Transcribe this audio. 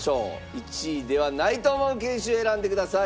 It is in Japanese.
１位ではないと思う犬種選んでください。